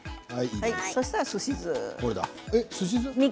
そうしたら、すし酢。